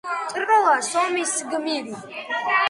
ტროას ომის გმირი.